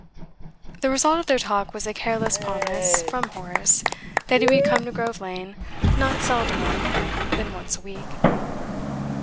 The result of their talk was a careless promise from Horace that he would come to Grove Lane not seldomer than once a week.